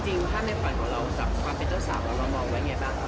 จริงภาพในฝันเราจากความเป็นเกิ้ลสาวเรามองไว้อย่างเงียบหรอ